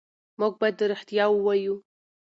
موږ باید رښتیا ووایو.